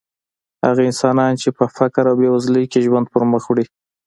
هغه انسانان چې په فقر او بېوزلۍ کې ژوند پرمخ وړي.